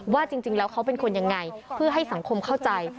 ว่าจริงแล้วเขาเป็นคนยังไงเพื่อให้สังคมเข้าใจ